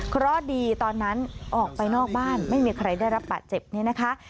เพราะดีตอนนั้นออกไปนอกบ้านไม่มีใครได้รับบาดเจ็บเนี่ยนะคะ